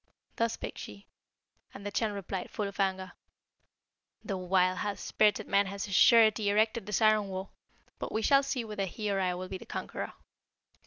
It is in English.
Thus spake she; and the Chan replied, full of anger, 'The wild, high spirited man has of a surety erected this iron wall; but we shall see whether he or I will be the conqueror.'